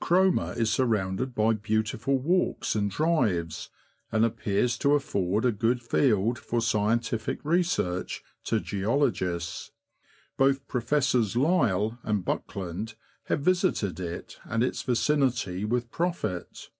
Cromer is surrounded by beautiful walks and drives, and appears to afford a good field for scientific research to geologists. Both Professsors Lyell and Buckland Tiave visited it and its vicinity with profit.